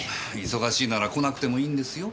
忙しいなら来なくてもいいんですよ。